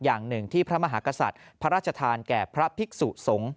อย่างหนึ่งที่พระมหากษัตริย์พระราชทานแก่พระภิกษุสงฆ์